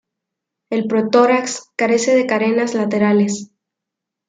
El protórax carece de carenas laterales.